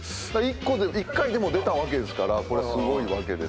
１回でも出たわけですからこれすごいわけですよ。